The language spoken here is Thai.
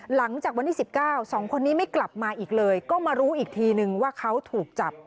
หลังจากวันที่๑๙๒คนนี้ไม่กลับมาอีกเลยก็มารู้อีกทีนึงว่าเขาถูกจับ